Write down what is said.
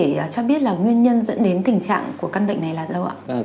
bác sĩ đã cho biết là nguyên nhân dẫn đến tình trạng của căn bệnh này là đâu ạ